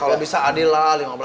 kalau bisa adil lah lima belas dolar